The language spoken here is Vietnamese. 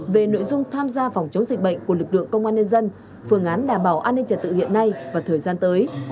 về nội dung tham gia phòng chống dịch bệnh của lực lượng công an nhân dân phương án đảm bảo an ninh trật tự hiện nay và thời gian tới